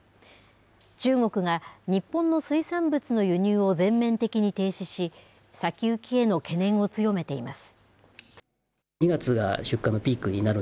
中国が日本の水産物の輸入を全面的に停止し、先行きへの懸念を強めています。